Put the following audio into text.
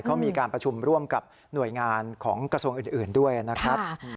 เขามีการประชุมร่วมกับหน่วยงานของกระทรวงอื่นด้วยนะครับ